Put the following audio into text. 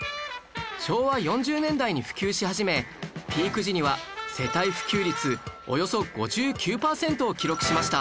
昭和４０年代に普及し始めピーク時には世帯普及率およそ５９パーセントを記録しました